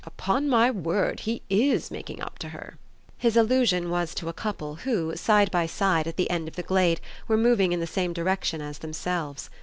Upon my word he IS making up to her!" His allusion was to a couple who, side by side, at the end of the glade, were moving in the same direction as themselves.